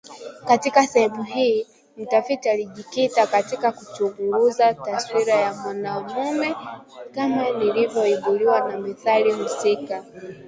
Katika sehemu hii, mtafiti alijikita katika kuchunguza taswira ya mwanamume kama inavyoibuliwa na methali husika